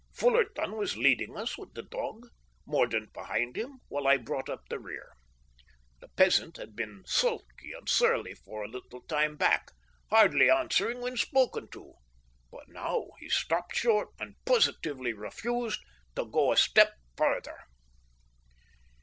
Fullarton was leading us with the dog, Mordaunt behind him, while I brought up the rear. The peasant had been sulky and surly for a little time back, hardly answering when spoken to, but he now stopped short and positively refused to go a step farther.